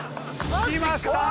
付きました！